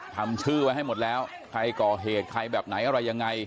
ทำชื่อไว้ให้หมดแล้วใครก่อเหตุใครแบบไหนอะไรยังไง